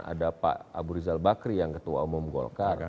ada pak abu rizal bakri yang ketua umum golkar